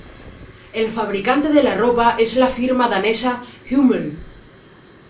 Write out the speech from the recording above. El fabricante de la ropa es la firma danesa Hummel.